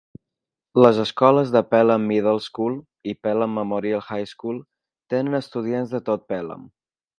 Les escoles Pelham Middle School i Pelham Memorial High School tenen estudiants de tot Pelham.